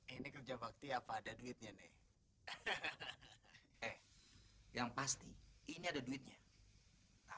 emang kalian percaya sama dong yang sebelumnya